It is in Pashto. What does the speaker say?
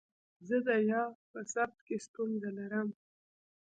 زه د غږ په ثبت کې ستونزه لرم.